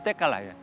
teka lah ya